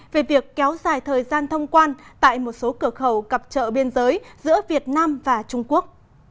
về việc kéo dài thời gian thông quan tại một số cửa khẩu cặp trợ biên giới giữa việt nam và trung quốc